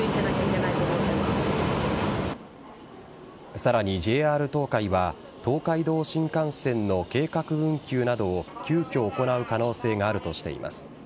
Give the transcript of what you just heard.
さらにＪＲ東海は東海道新幹線の計画運休などを急きょ行う可能性があるとしています。